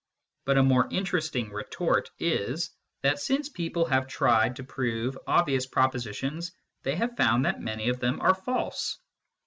But a more interesting retort is, that since people have tried to prove obvious propositions, they have found that many of them are false.